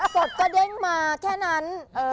กรดก็เด้งมาแค่นั้น